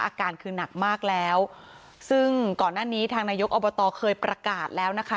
อาการคือหนักมากแล้วซึ่งก่อนหน้านี้ทางนายกอบตเคยประกาศแล้วนะคะ